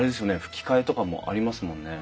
ふき替えとかもありますもんね。